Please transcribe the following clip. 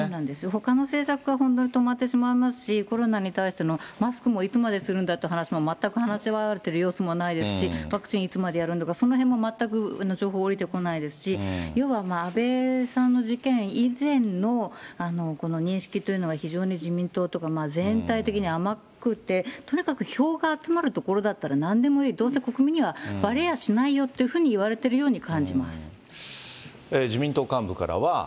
ほかの政策が本当に止まってしまいますし、コロナに対しての、マスクもいつまでするんだって話も、全く話し合われている様子もないですし、ワクチンいつまでやるんだとか、そのへんも全く情報下りてこないですし、要は安倍さんの事件以前の認識というのが、非常に自民党とか全体的に甘くて、とにかく票が集まる所だったらなんでもいい、どうせ国民にはばれやしないよっていうふうに言われてるように感自民党幹部からは。